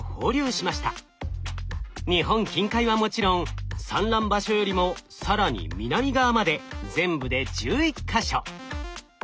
日本近海はもちろん産卵場所よりも更に南側まで全部で１１か所。